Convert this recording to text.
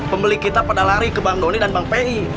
pembeli kita pada lari ke bang doni dan bang pi